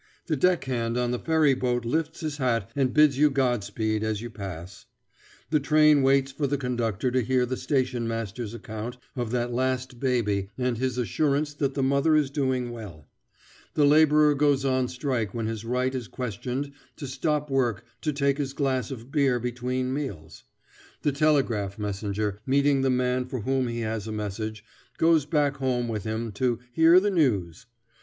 The deckhand on the ferry boat lifts his hat and bids you God speed, as you pass. The train waits for the conductor to hear the station master's account of that last baby and his assurance that the mother is doing well. The laborer goes on strike when his right is questioned to stop work to take his glass of beer between meals; the telegraph messenger, meeting the man for whom he has a message, goes back home with him "to hear the news."